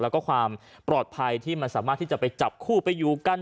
แล้วก็ความปลอดภัยที่มันสามารถที่จะไปจับคู่ไปอยู่กัน